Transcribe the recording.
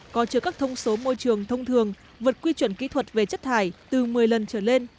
có chứa các thông số môi trường thông thường vượt quy chuẩn kỹ thuật về chất thải từ một mươi lần trở lên